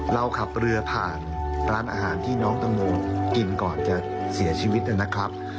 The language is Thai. เราขับเรือผ่านร้านอาหารที่น้องตังโมกินก่อนจะเสียชีวิตนะครับ